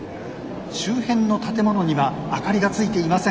周辺の建物には明かりがついていません。